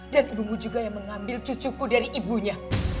dan ibumu juga yang mengambil cucuku dari ibunya